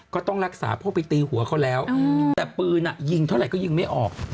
ก็ต้องรักษาพวกไปตีหัวเขาแล้วแต่ปืนยิงเท่าไหร่ก็ยิงไม่ออก